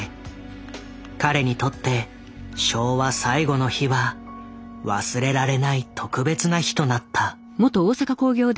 彼にとって昭和最後の日は忘れられない特別な日となった。